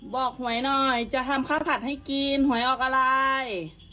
หวยหน่อยจะทำข้าวผัดให้กินหวยออกอะไร